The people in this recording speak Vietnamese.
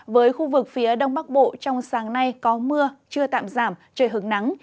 với khu vực phía đông bắc bộ trong sáng nay có mưa chưa tạm giảm trời hứng nắng